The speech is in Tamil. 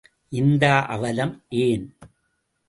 இந்த அவலம் ஏன்?